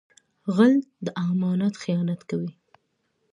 غل د امانت خیانت کوي